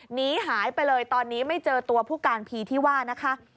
หนีหายไปเลยตอนนี้ไม่เจอตัวผู้การพีที่ว่านะคะ